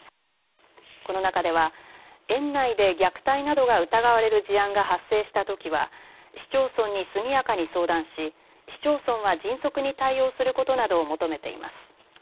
この中では園内で虐待などが疑われる事案が発生したときは市町村に速やかに相談し市町村は迅速に対応することなどを求めています。